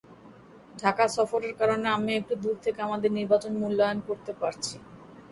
ঢাকা সফরের কারণে আমি একটু দূর থেকে আমাদের নির্বাচন মূল্যায়ন করতে পারছি।